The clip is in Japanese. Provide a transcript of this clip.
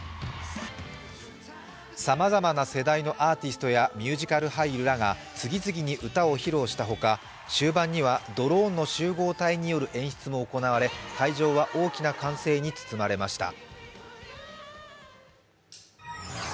さまざまな世代のアーティストやミュージカル俳優らが次々に歌を披露したほか終盤にはドローンの集合体による演出も行われ会場は大きな歓声に包まれました。